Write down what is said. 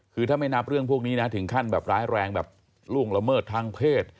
คือถ้าไม่นับเรื่องพวกนี้นะถึงขั้นแบบร้ายแรงแบบล่วงละเมิดทางเพศ